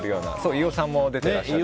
飯尾さんも出ていらっしゃって。